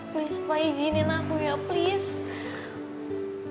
tolong izinkan aku ya please